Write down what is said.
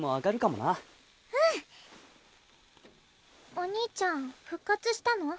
お兄ちゃん復活したの？